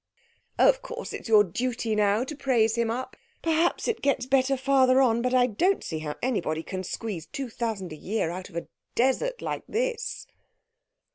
"Oh, of course, it's your duty now to praise him up. Perhaps it gets better farther on, but I don't see how anybody can squeeze two thousand a year out of a desert like this."